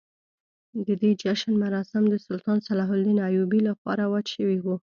د دې جشن مراسم د سلطان صلاح الدین ایوبي لخوا رواج شوي وو.